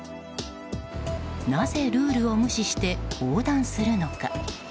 なぜ、ルールを無視して横断するのか。